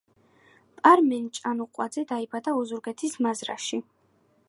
პარმენ ჭანუყვაძე დაიბადა ოზურგეთის მაზრაში.